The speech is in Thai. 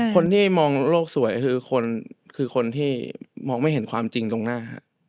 คนที่มองโลกสวยคือคนที่มองไม่เห็นความจริงตรงหน้า